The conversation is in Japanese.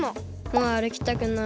もうあるきたくない。